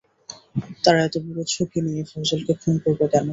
তারা এত বড় ঝুঁকি নিয়ে ফয়জলকে খুন করবে কেন?